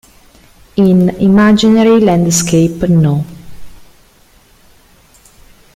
In "Imaginary landscape no.